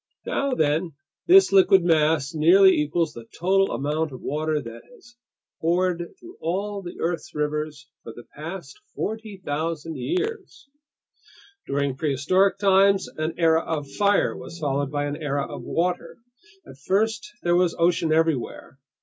Now then, this liquid mass nearly equals the total amount of water that has poured through all the earth's rivers for the past 40,000 years! During prehistoric times, an era of fire was followed by an era of water. At first there was ocean everywhere.